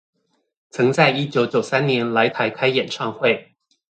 曾在一九九三年來台開演唱會